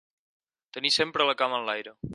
Tenir sempre la cama enlaire.